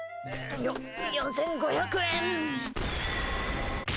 ４５００円。